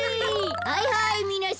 はいはいみなさん